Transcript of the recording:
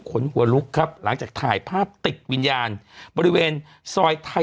ขนหัวลุกครับหลังจากถ่ายภาพติดวิญญาณบริเวณซอยไทย